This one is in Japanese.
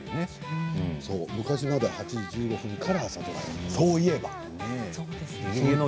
昔は８時１５分からそういえばね。